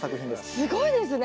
すごいですね。